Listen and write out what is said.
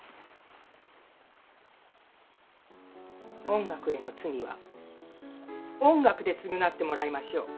音楽への罪は音楽で償ってもらいましょう。